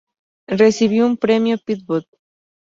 Recibió un Premio Peabody.